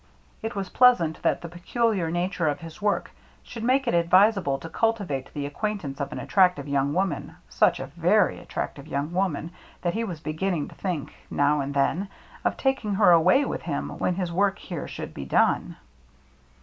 It was pleas ant that the peculiar nature of his work should make it advisable to cultivate the acquaint ance of an attractive young woman — such a very attractive young woman that he was be ginning to think, now and then, of taking her away with him when his work here should be done.